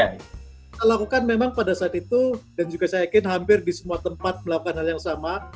kita lakukan memang pada saat itu dan juga saya yakin hampir di semua tempat melakukan hal yang sama